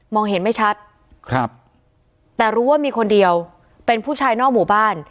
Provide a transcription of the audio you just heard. เห็นไม่ชัดครับแต่รู้ว่ามีคนเดียวเป็นผู้ชายนอกหมู่บ้าน